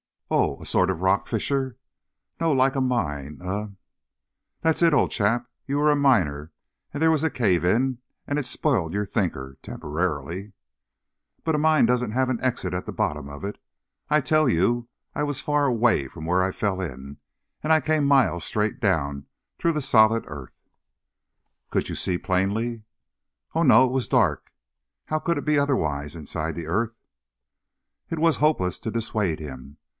"Oh, a sort of rock fissure " "No; more like a mine, a " "That's it, old chap! You were a miner, and there was a cave in, and it spoiled your thinker temporarily." "But a mine doesn't have an exit at the bottom of it. I tell you I was far away from where I fell in, and I came miles straight down through the solid earth " "Could you see plainly?" "Oh, no, it was dark, how could it be otherwise, inside the earth?" It was hopeless to dissuade him.